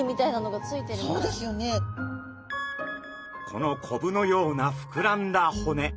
このコブのようなふくらんだ骨。